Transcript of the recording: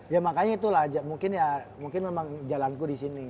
ya makanya itulah mungkin ya mungkin memang jalanku disini